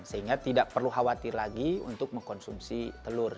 sehingga tidak perlu khawatir lagi untuk mengkonsumsi telur